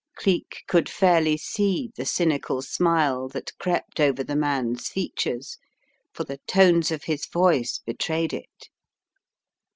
" Cleek could fairly see the cynical smile that crept over the man's features, for the tones of his voice betrayed it.